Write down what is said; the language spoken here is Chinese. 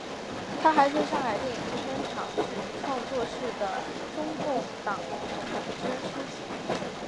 她还是上海电影制片厂创作室的中共党总支书记。